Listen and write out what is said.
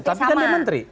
tapi kan dia menteri